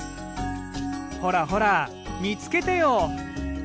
ほらほら見つけてよ。